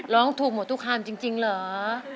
ร้องถูกหมดทุกคำจริงเหรอ